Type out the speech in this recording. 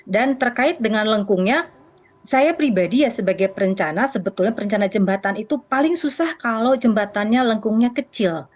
dan terkait dengan lengkungnya saya pribadi sebagai perencana sebetulnya perencanaan jembatan itu paling susah kalau jembatannya lengkungnya kecil